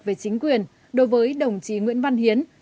về chính quyền đối với đồng chí nguyễn văn hiến